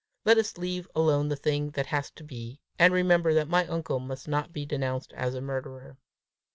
Let us leave alone the thing that has to be, and remember that my uncle must not be denounced as a murderer!